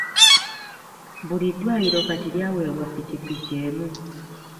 Buli ddwaliro kati lyaweebwa ppikippiki emu.